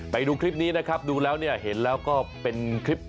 ไปดูคลิปนี้นะครับดูแล้วเนี่ยเห็นแล้วก็เป็นคลิป